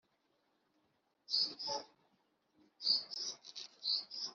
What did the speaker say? nsanzabaganwa avuga ko ikintu kibi ari ugufata ijambo ukaritemagura,